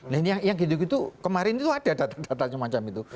nah yang gitu gitu kemarin itu ada data data macam macam itu